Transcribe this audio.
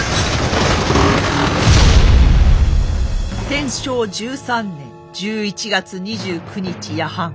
天正十三年１１月２９日夜半。